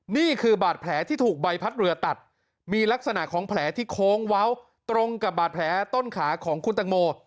นี่คือบาดแผลที่ถูกใบพัดเรือตัดมีลักษณะของแผลที่โค้งเว้าตรงกับบาดแผลต้นขาของคุณตังโม